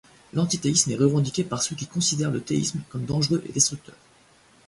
L’antithéisme est revendiqué par ceux qui considèrent le théisme comme dangereux et destructeur.